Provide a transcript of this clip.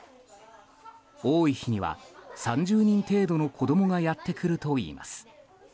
多い日には３０人程度の子供がやってくるといいます。